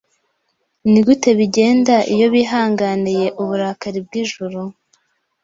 Nigute bigenda iyo bihanganiye uburakari bw'ijuru